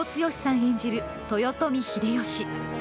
演じる豊臣秀吉。